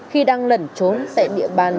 khi đang lẩn trốn tại địa bàn